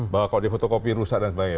bahwa kalau difotokopi rusak dan sebagainya